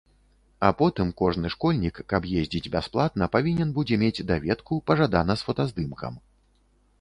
А потым кожны школьнік, каб ездзіць бясплатна, павінен будзе мець даведку, пажадана з фотаздымкам.